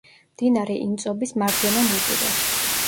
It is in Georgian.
მდინარე ინწობის მარჯვენა ნაპირას.